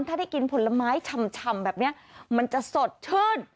ถ้าได้กินผลไม้ชำแบบนี้มันจะสดชื่น